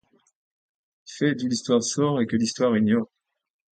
Faits d’où l’histoire sort et que l’histoire ignore